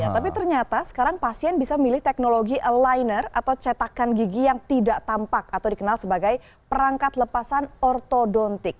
tapi ternyata sekarang pasien bisa memilih teknologi aligner atau cetakan gigi yang tidak tampak atau dikenal sebagai perangkat lepasan ortodontik